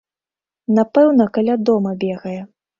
Напэўна, каля дома бегае.